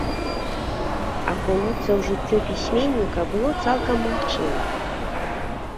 Акунуцца ў жыццё пісьменніка было цалкам магчыма.